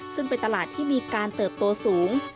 ซึ่งเป็นตลาดที่มีการเติบโตสูง